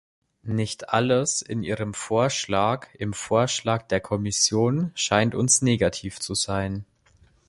Nicht alles in Ihrem Vorschlag, im Vorschlag der Kommission, scheint uns negativ zu sein.